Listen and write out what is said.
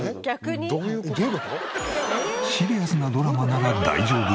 シリアスなドラマなら大丈夫らしい。